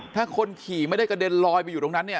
ถ้าคนขี่ไม่ได้กระเด็นลอยไปอยู่ตรงนั้นเนี่ย